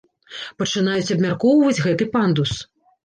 Пачынаюць абмяркоўваць гэты пандус.